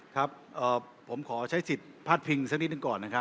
ครับผมขอใช้สิทธิ์พาดพิงสักนิดหนึ่งก่อนนะครับ